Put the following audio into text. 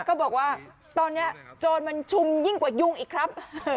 ก็บอกว่าตอนนี้โจรมันชุมยิ่งกว่ายุงอีกครับ